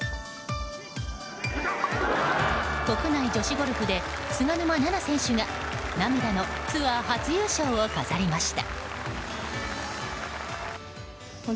国内女子ゴルフで菅沼菜々選手が涙のツアー初優勝を飾りました。